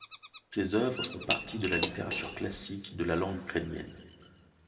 Ses œuvres font partie de la littérature classique de la langue ukrainienne.